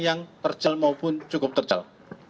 yang terjel maupun cukup terjal